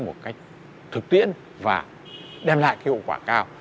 một cách thực tiễn và đem lại cái hậu quả cao